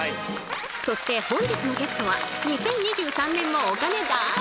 そして本日のゲストは２０２３年もお金大好き！